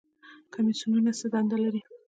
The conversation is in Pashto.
کمیسیونونه څه دنده لري؟